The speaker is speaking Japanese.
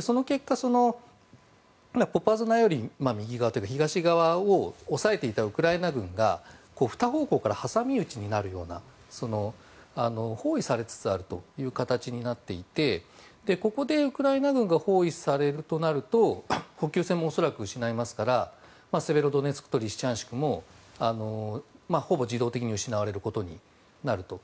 その結果、ポパスナより右側、東側を押さえていたウクライナ軍が２方向から挟み撃ちになるような包囲されつつあるという形になっていてここでウクライナ軍が包囲されるとなると補給線も恐らく失いますからセベロドネツクとリシチャンシクもほぼ自動的に失われることになると。